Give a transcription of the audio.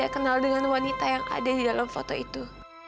kenal dengan wanita yang ada di dalam foto itu